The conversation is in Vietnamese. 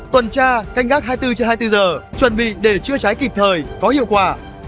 tuần tra canh gác hai mươi bốn trên hai mươi bốn giờ chuẩn bị để chữa cháy kịp thời có hiệu quả